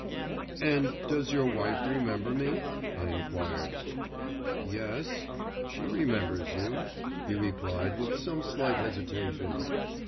'And does your wife remember me?' I inquired. 'Yes, she remembers you,' he replied, with some slight hesitation.